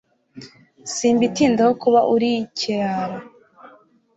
simbitindaho kuba urikirara